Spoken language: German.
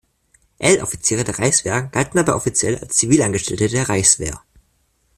L-Offiziere der Reichswehr galten dabei offiziell als Zivilangestellte der Reichswehr.